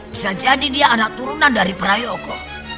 bisa jadi dia anak turunan dari prayogo